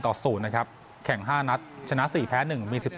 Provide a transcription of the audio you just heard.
ต่อศูนย์นะครับแข่งห้านัดชนะสี่แพ้หนึ่งมีสิบสอง